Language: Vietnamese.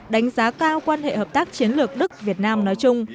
đánh giá cao quan hệ hợp tác chiến lược đức việt nam nói chung